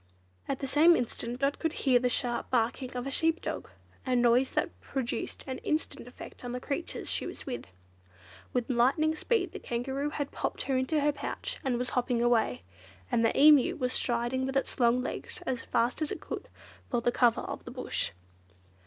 At the same instant Dot could hear the sharp barking of a sheep dog, a noise that produced an instant effect on the creatures she was with. With lightning speed the Kangaroo had popped her into her pouch and was hopping away, and the Emu was striding with its long legs as fast as it could for the cover of the Bush.